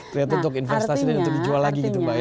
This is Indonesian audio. ternyata untuk investasi dan untuk dijual lagi gitu mbak ya